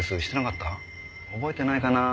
覚えてないかな？